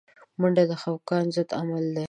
منډه د خفګان ضد عمل دی